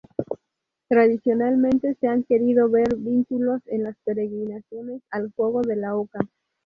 Tradicionalmente se han querido ver vínculos en las peregrinaciones al juego de la oca.